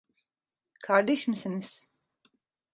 Kardeş misiniz?